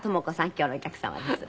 今日のお客様です。